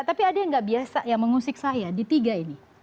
tapi ada yang nggak biasa yang mengusik saya di tiga ini